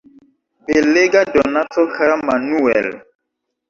Belega donaco, kara Manuel!